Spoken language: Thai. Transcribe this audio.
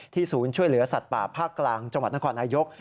ศูนย์ช่วยเหลือสัตว์ป่าภาคกลางจังหวัดนครนายก